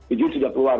izin sudah keluar